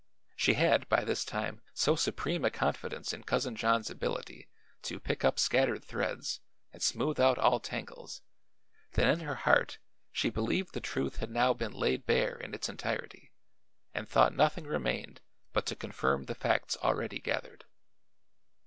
She had, by this time, so supreme a confidence in Cousin John's ability to pick up scattered threads and smooth out all tangles that in her heart she believed the truth had now been laid bare in its entirety and thought nothing remained but to confirm the facts already gathered.